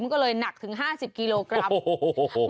ก็เลยหนักถึง๕๐กิโลกรัมโอ้โห